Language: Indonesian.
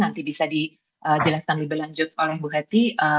nanti bisa dijelaskan lebih lanjut oleh bu hetty